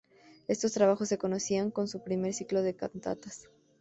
Estos trabajos se conocían como su primer ciclo de cantatas.